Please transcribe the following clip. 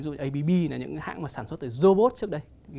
ví dụ abb là những cái hãng mà sản xuất từ robot trước đây